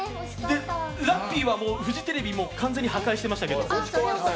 ラッピーはフジテレビ、完全に破壊してましたけど。